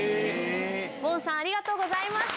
黄さんありがとうございました。